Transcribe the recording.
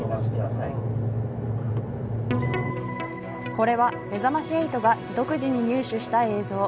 これはめざまし８が独自に入手した映像。